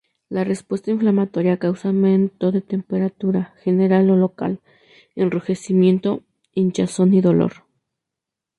La respuesta inflamatoria causa aumento de temperatura general o local, enrojecimiento, hinchazón y dolor.